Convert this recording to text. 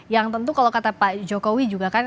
yang tentu kalau kata pak jokowi juga kan